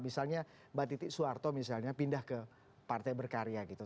misalnya mbak titi soeharto misalnya pindah ke partai berkarya gitu